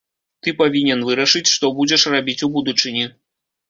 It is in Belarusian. Ты павінен вырашыць, што будзеш рабіць у будучыні.